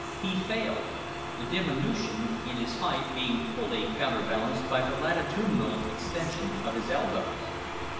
He failed, the diminution in his height being fully counterbalanced by the latitudinal extension of his elbows!